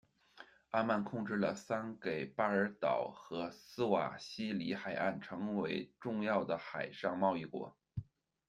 阿曼控制了桑给巴尔岛和斯瓦希里海岸，成为重要的海上贸易国。